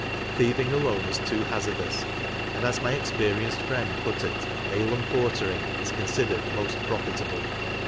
Thieving alone is too hazardous, and as my experienced friend put it, " ale and portering" is considered most profitable.